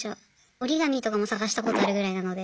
折り紙とかも探したことあるぐらいなので。